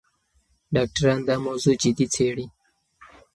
ډاکټران دا موضوع جدي څېړي.